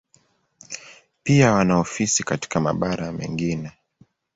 Pia wana ofisi katika mabara mengine.